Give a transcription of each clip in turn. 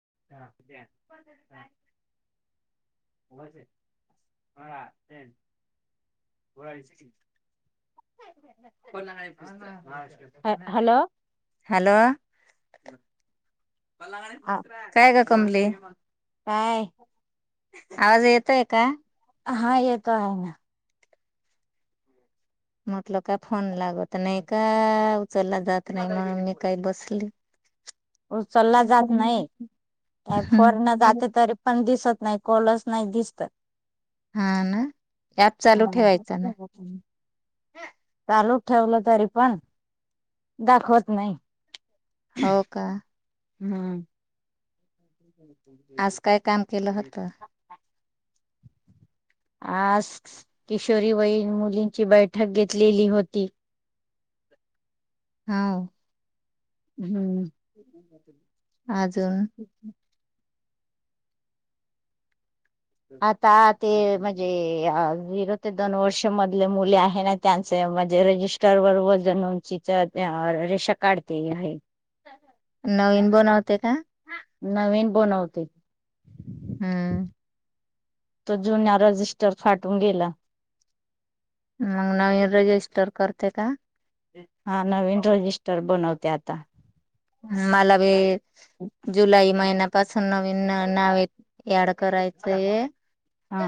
[unintelligible] ह hello hello, [inaudible] आ [inaudible] का कमली काय आवाज येतोय का? हा येतो आहे ना. म्हटल का फोन लागत नाही का उचलला जात नाही म्हणून मी काही बसली. उचलला जात हम्म नाही, फोर न जाते तरी पण दिसत नाही कॉलस नाही दिसत. हा ना यात चालू ठेवायच ना? चालू ठेवलं तरी पण दाखवत नाही. हो का? हम्म. आज काय काम केलं होतं? आज किशोरी वयीन मुलींची बैठक घेतलेली होती. हो. हम्म. [inaudible] [inaudible] आजून आता ते म्हणजे झिरो ते दोन वर्ष मधले मुले आहे ना त्यांच म्हणजे रजिस्टर वर वजन उंचीचा रेशन कार्ड ते आहे. नवीन बनवते का? नवीन बनवते. हम्म तो जुना रजिस्टर फाटून गेला. मग नवीन रजिस्टर करते का? हा नवीन रजिस्टर बनवते. ते आता मला बी जुलै महिना पासून नवीन नावे ऍड करायचये. हा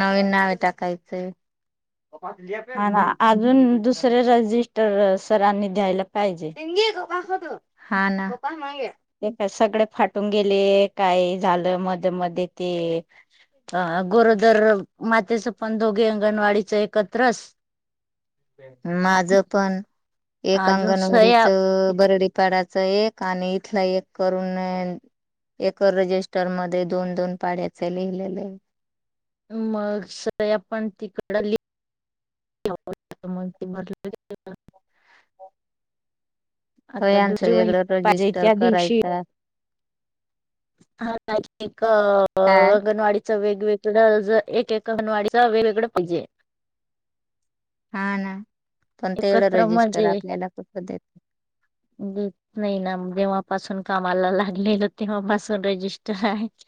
नवीन नावे टाकायचंय. हा ना अजून दुसर रजिस्टर सरांनी द्यायला पाहिजे [unintelligible] हा ना ते का सगळे फाटून गेले काय झालं मग. मध्ये ते गरोदर तसपण दोघे अंगणवाडीच एकत्रस माझ पण एक अजून सया अंगणवाडीच बरडीपाड्यात तिथं एक आणि इथल एक करून एक रजिस्टर मध्ये दोन दोन पाड्याचे लिहिलेलय मग सग आपण तिकडले [unintelligible] हो यांचं वेगळं रजिस्टर दिवशी करायचं आहे. हा [unintelligible] काय अंगनवाडीत च वेगवेगळं ज, एक एक अंगणवाडीच वेगवेगळं पाहिजे हा ना पण तेवढं एकत्र रजिस्टर म्हणजे, आपल्याला कुठ देत देत नाही ना जेव्हापासून कामाला लागले ना तेव्हापासून रजिस्टर आहेत.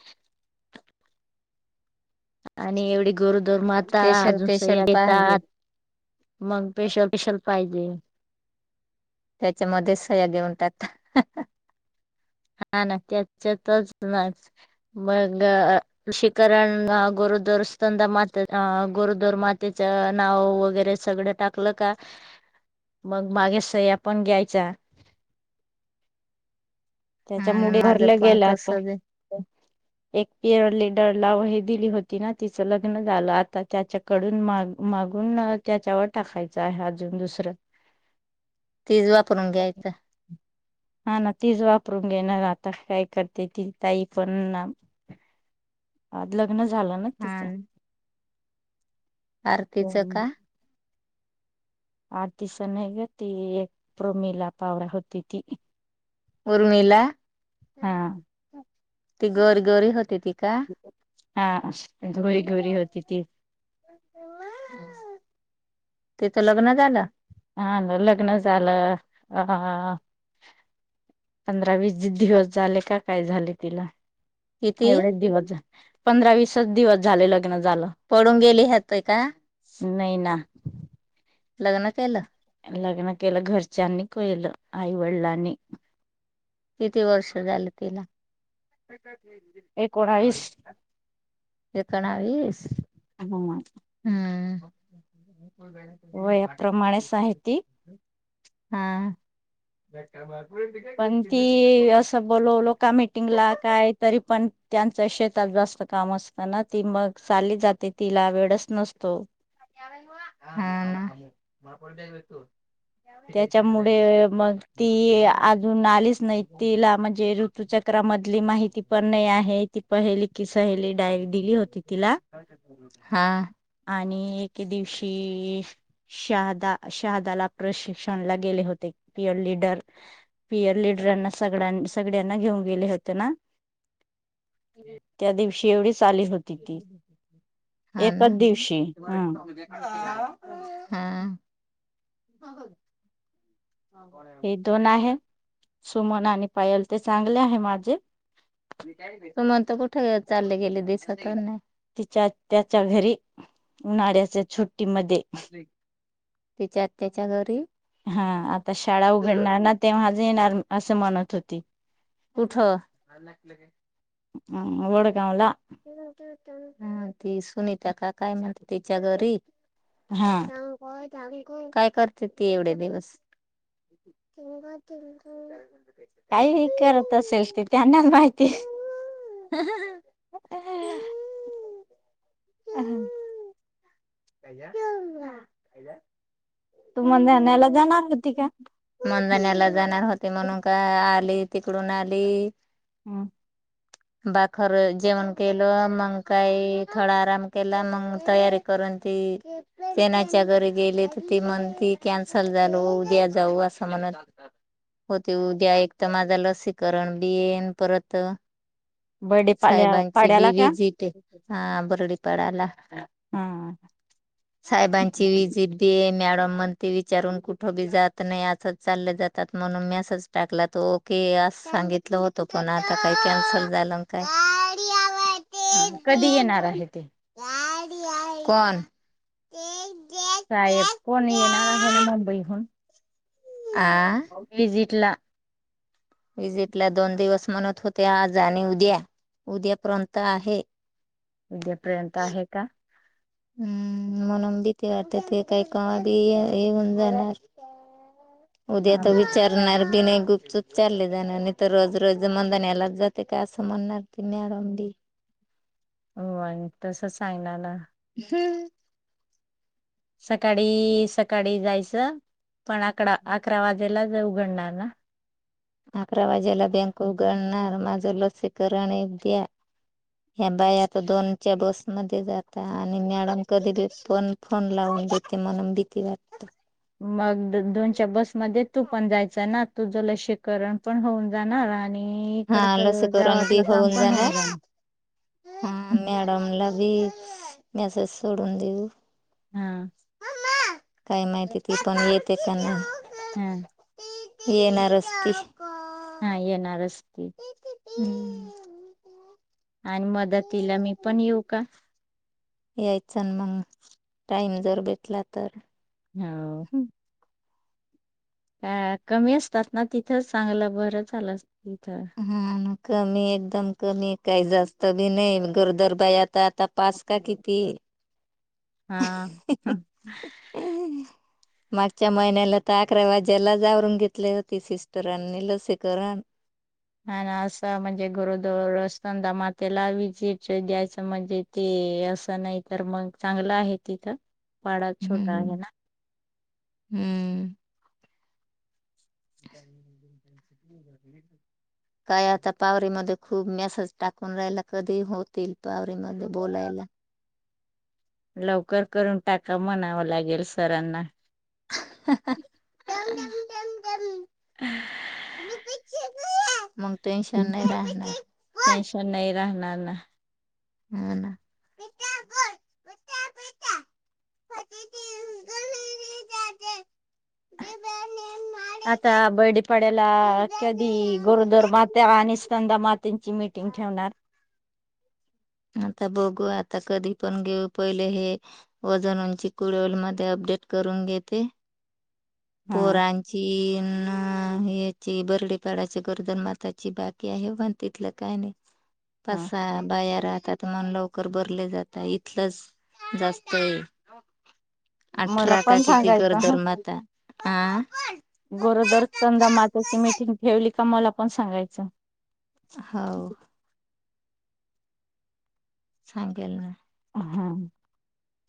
आणि एवढे गरोदर माता स्पेशल अजून स्पेशल सगळे पाहिजे येतात मग स्पेशल स्पेशल पाहिजे त्याच्यामध्ये सहया घेऊन टाकतात हा ना त्याच्यातच नाच मग लसीकरण गोरुदर स्तंदा माते गोरुदर मातेच नाव वगैरे सगळं टाकलं का मग मागे सह्या पण घ्यायच्या हा ना, त्याच्यामुळे माझं भरलं पण गेलं तसच आता आहे एक पिअर लीडरला व हे दिली होती ना तिचं लग्न झालं आता त्याच्याकडून माग मागून त्याच्यावर टाकायचं आहे अजून दुसरं तीज वापरून घ्यायचा हा ना [unintelligible] काय करते ती ताई पण ना [unintelligible] लग्न झालं ना तिचं आरतीचं का आरतीच नाही ग ती एक प्रमिला पवार होती ती उर्मिला हा ती गोरी गोरी होते ती का हा गोरी गोरी होती ती तीच लग्न झालं हा लग्न झालं हा पंधरा वीस दिवस झाले का काय झाले तिला किती एवढेच दिवस झाले पंधरा विसच दिवस झाले लग्न झालं पळून गेली होत का? नाही ना लग्न केलं लग्न केलं घरच्यांनी केलं आई वडिलांनी किती वर्ष झालं तिला? एकोणावीस एकोणावीस. आ म हम्म वया प्रमाणे साहिती हा [unintelligible] पण ती असं बोलोलोका मीटिंगला काय तरी पण त्यांच शेत जास्त काम असत ना ती मग चाली जाते तिला वेडच नसतो. हा ना. त्याच्यामुळे मग ती अजून आलीच नाही. तिला म्हणजे ऋतुचक्रामधली माहिती पण नाही आहे. ती पहिली की सहेली डायरी दिली होती तिला हा आणि एक एके दिवशी शहादा शहादाला प्रशिक्षणला गेले होते. पियर लीडर, पियर लिडरांना सगळ्यां सगळ्यांना घेऊन गेले होते ना. त्या दिव शेवढीच [inaudible] हा ना. एकच दिवशी हा ह ह ह. हे दोन आहे. सुमन आणि पायल ते चांगले आहे माझे. तु म्हणत कुठे चालले गेले दिसत नाही. तिच्या त्याच्या घरी उन्हाळ्याचे छू ट्टी मध्ये. तिच्या त्याच्या घरी हा आता शाळा उघडणार ना तेव्हाच येणार. असं म्हणत होती. कुठं? हम्म वडगावला. [unintelligible] ती सुनीता का काय म्हणत तिच्या घरी? हा ता [unintelligible] काय करते ती एवढे दिवस? काहीही करत असेल ती त्यांना माहिती. ह ह ह. [inaudible] अह. [unintelligible] तू मंधण्याला जाणार होती का? मजण्याला जाणार होते म्हणून का आली तिकडून आली. हम्म. बाखर जेवण केलं मग काही थोडा आराम केला मग तयारी करून ती तेणाच्या घरी गेली तर ती म्हणती कॅन्सल झाल उद्या जाऊ, असं म्हणत होती उद्या एक तर माझं लसीकरण बी येईन परत बर्डे पाल्या साहेबांची बी पाड्याला का? विजिट आहे हा बरडी पडाला हा. साहेबांची विजिट बी आहे मॅडम म्हणते विचारून कुठी बी जात नाही असं चालले जातात म्हणून मेसेज टाकला तो ओके अस सांगितलं होत पण आता काही कॅनसल झालं काय? हा कधी येणार आहे ते? कोण साहेब कोण येणार आहे ना मुंबईहून. आ ला विजिट ला दोन दिवस म्हणत होते आज आणि उद्या उद्यापर्यंत आहे. उद्यापर्यंत आहे का? हम्म म्हणून भीती वाटते ते काय कवा बी ये येऊन जाणार. उद्या तर विचारणार बी नाही गुपचूप चालले जणानी आणि तर रोज-रोज मंदन यालाच जाते का असं म्हणणार ती मॅडम बी. हो आइन तसचं सांगणार ना. हम्म. सकाळी सकाळी जायचं पण आकरडा आकरा वाजेलाच उघडणार ना. आकरा वाजेला बँक उगडणार माझ जर लसीकरण एक द्या ह्या बाया आता दोनच्या बसमध्ये जाता आणि मॅडम कधी बी पण फोन फोन लावून देते म्हणून भीती वाटतं. मग दो दोनच्या बस मध्ये तू पण जायचा ना. तुझं लसीकरण पण होऊन जाणार आणि हा इकडच लसीकरण बी गावातलं काम होऊन पण जाणार हा मॅडमला बी मेसेज सोडून देऊ. हा. [unintelligible] काय माहिती ती पण येते काय हा नाही. येणारच ती. नाय येणारच ती. हम्म. आणि मदतिला मी पण येऊ का? यायचा ना मग टाइम जर भेटला तर. ह्या ओ हा अ कमी असतात ना तिथं चांगलं बरं झालं अस हा कमी एकदम कमी काही जास्त बी नाही गरोदर बाई आता आता पाच का किती हा! मागच्या महिन्याला तर आकरा वाज्याला आवरून घेतले होते सिस्टरांनी लसीकरण. ह ना असं म्हणजे गरोदर स्तनदा मातेला विजिट द्यायचं म्हणजे ते असं नाही तर मग चांगलं आहे तिथं. पाडा हम्म छोटा आहे ना हम्म! काय आता पावरीमध्ये खूप मेसेज टाकून राहीला कधी होतील पावरी मदे बोलायला. लवकर करून टाका म्हणावं लागेल सरांना. [unintelligible] [unintelligible] [unintelligible] नाही राहणार. टेन्शन नाही राहणार. [inaudible] हा ना. आता बैडीपाड्याला कधी गोरोदर माते आणि स्ंदा मातेची मिीटिंग ठेवणार. आता बघू आता कधी पण घेऊ पहिले हे वजन उंची कुडवल मध्ये अपडेट करून घेते. हा पोरांची... हा याची बर्डीपाडाची गरोदर माताची बाकी आहे पण तिथलं काय नाही. हा फसा बयार. मन लवकर भरले जात इथलच जास्त आहे. अठरा का किती गरोदर माता... आ गोरोदर चंदा मात्याची मिटिंग ठेवली. का मला पण सांगायचं. हाव. सांगेल ना. हा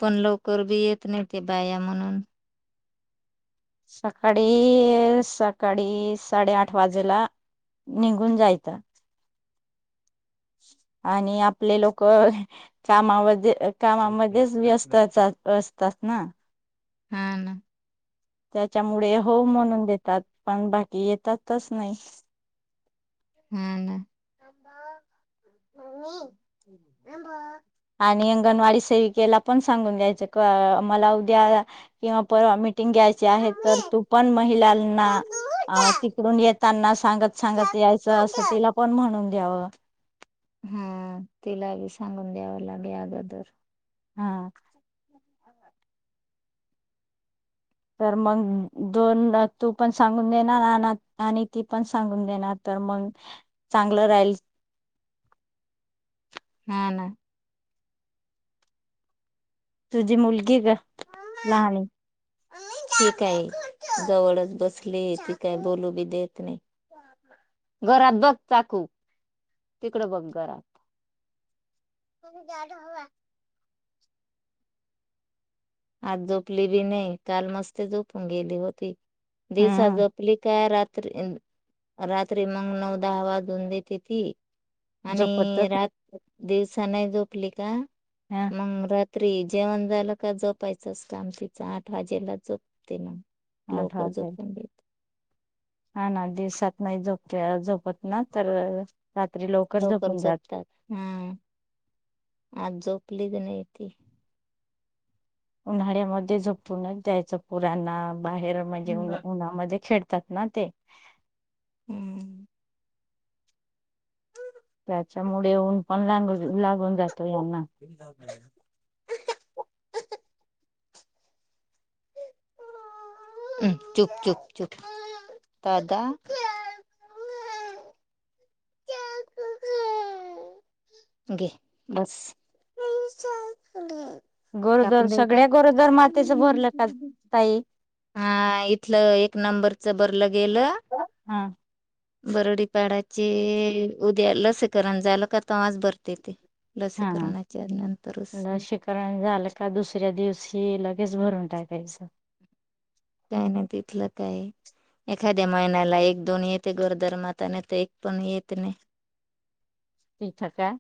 पण लवकर बी येत नाही ते बाया म्हणून... सकाळी सकाळी साडेआठ वाजेला निघून जायचं. आणि आपले लोक कामा व.... कामामध्येच व्यस्तच अस.... तस ना.. हा ना... त्याच्यामुळे... हो म्हणून देतात. पण बाकी येतातच नाही. हा ना... आणि अंगणवाडी सेविकेला पण सांगून द्यायच का मला उद्या किंवा परवा मिटिंग घ्यायची आहे तर तू पण महिलांना तिकडून येताना.... सांगत सांगत यायचं असं तिला पण म्हणून... द्यावा. हा तिला ब सांगून द्यावं लागे अगोदर. हा. तर मग दोन दा तू पण सांगून देणार आन आणि ती पण सांगून देणार तर मग चांगलं राहील. हा ना. तुझी मुलगी ग लहान. ही काय जवळच बसलीये ती काय बोलू बी देत नाही घरात बघ चाकू तिकड बघ घरात. [inaudible] आज जोपली बी नाय काल मस्त झोपून गेली होती दिवसा हम्म जोपली काय रात्री म रात्री मग नऊ दहा वाजून देते ती. झोपत आणि रात दिवसा नाही झोपली का ह मग रात्री... जेवण झाला का जो... पायचच काम तिचं आठ वाजेला जोपते मग. आठ लवकर वाजले जपून देत. हा ना दिवसात नाही झोपते झोपत ना तर... रात्री लवकर झोपून जात झोपतात. हम. आज झोपलीच नाही ती. उन्हाळ्यामध्ये झोपूनच द्यायचं पुराना बाहेर म्हणजे हम्म. उन्ह उन्हामध्ये खेळ तात ना ते. हम्म. त्याच्यामुळे ऊन पण लांगुन लागून जात [inaudible] चुप, चूप, चूप दादा घे बस. गरोदर कापून देऊ का सगळ्या गरोदर मातेच भरलं का ताई हा इथलं एक नंबरच बर गेलं? हा बरडीपाडाचे उद्या लसीकरण झालं का तवाज बर. ते ते. हा हा लसीकरणाच्या नंतरच लशीकरण झालं का दुसऱ्या दिवशी लगेच भरून टाकायचं. काय नाही तिथलं काय एखाद्या महिन्याला एक दोन येते गरोदर माता नाही तर एक पण येत नाही. तिथं काय